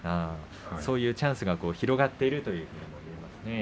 そういうチャンスが広がっているということですね。